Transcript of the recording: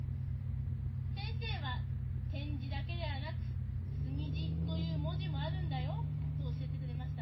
先生は「点字だけではなく墨字という文字もあるんだよ」と教えてくれました。